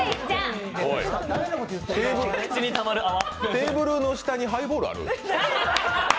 テーブルの下にハイボールある？